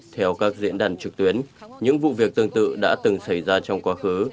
theo các diễn đàn trực tuyến những vụ việc tương tự đã từng xảy ra trong quá khứ